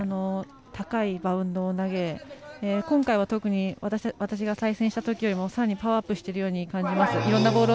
高いバウンドを投げ今回は特に、私が対戦したときよりもパワーアップしていると思います。